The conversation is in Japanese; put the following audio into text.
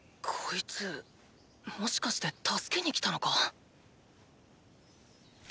いつもしかして助けにきたのか？